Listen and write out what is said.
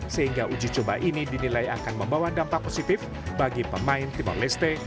sehingga uji coba ini dinilai akan membawa dampak positif bagi pemain timor leste